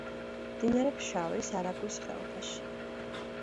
მდინარე ფშავის არაგვის ხეობაში.